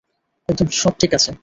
একদম, সব ঠিক আছে।